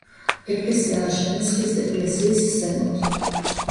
ეკლესია ააშენეს ხის ეკლესიის ზემოთ.